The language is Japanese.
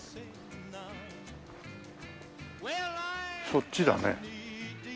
そっちだね。